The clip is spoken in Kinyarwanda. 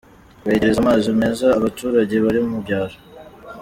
Kwegereza amazi meza abaturage bari mu byaro.